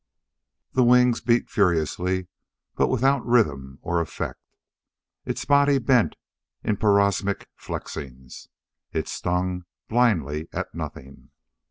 The wings beat furiously but without rhythm or effect. Its body bent in paroxysmic flexings. It stung blindly at nothing.